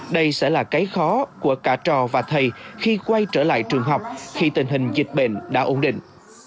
đây sẽ là cái khó của cả trò và thầy khi quay trở lại trường học khi tình hình dịch bệnh đã ổn định